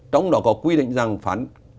trong đó có quy định rằng phán